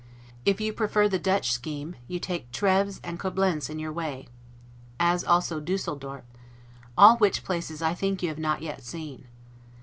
If you prefer the Dutch scheme, you take Treves and Coblentz in your way, as also Dusseldorp: all which places I think you have not yet seen.